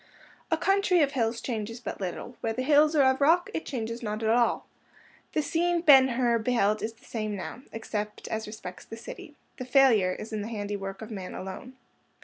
A country of hills changes but little; where the hills are of rock, it changes not at all. The scene Ben Hur beheld is the same now, except as respects the city. The failure is in the handiwork of man alone.